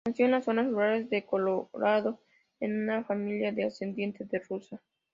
Nació en las zonas rurales de Colorado en una familia de ascendencia rusa.